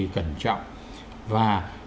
cẩn trọng và